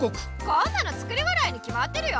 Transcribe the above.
こんなの作り笑いにきまってるよ。